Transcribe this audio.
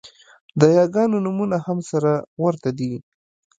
د یاګانو نومونه هم سره ورته دي